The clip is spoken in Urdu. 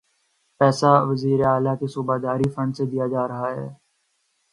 یہ پیسہ وزیر اعلی کے صوابدیدی فنڈ سے دیا جا رہا ہے۔